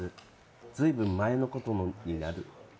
ずいぶん前のことになる。